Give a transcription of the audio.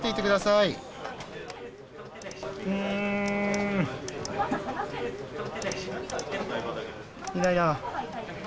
いないな。